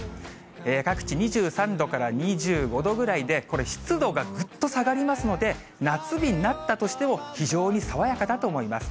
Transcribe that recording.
各地２３度から２５度ぐらいで、これ、湿度がぐっと下がりますので、夏日になったとしても、非常に爽やかだと思います。